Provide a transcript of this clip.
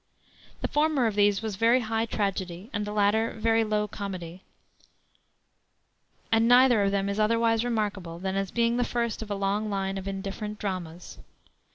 The former of these was very high tragedy, and the latter very low comedy; and neither of them is otherwise remarkable than as being the first of a long line of indifferent dramas.